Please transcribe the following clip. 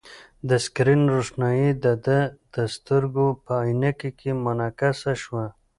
د سکرین روښنايي د ده د سترګو په عینکې کې منعکسه شوه.